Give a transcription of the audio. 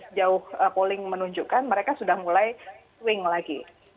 sejauh polling menunjukkan mereka sudah mulai wing lagi